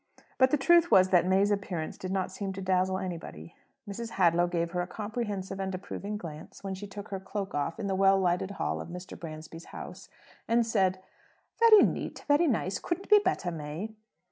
But the truth was that May's appearance did not seem to dazzle anybody. Mrs. Hadlow gave her a comprehensive and approving glance when she took her cloak off in the well lighted hall of Mr. Bransby's house, and said, "Very neat. Very nice. Couldn't be better, May."